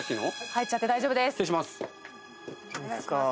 入っちゃって大丈夫です。